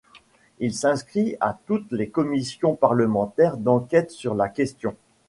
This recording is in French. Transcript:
Il s’inscrit à toutes les commissions parlementaires d’enquête sur la question.